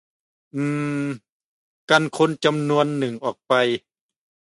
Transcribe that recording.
อืม กันคนจำนวนหนึ่งออกไป